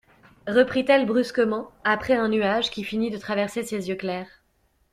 Reprit-elle brusquement, après un nuage qui finit de traverser ses yeux clairs.